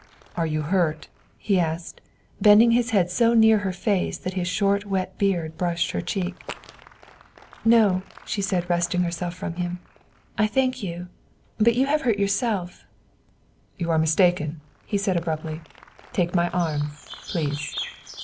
"Are you hurt?" he asked, bending his head so near her face that his short wet beard brushed her cheek. "No," she said, wresting herself from him; "I thank you but you have hurt yourself." "You are mistaken," he said abruptly. "Take my arm, please."